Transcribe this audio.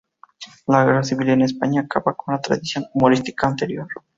La Guerra Civil en España acaba con la tradición humorística anterior.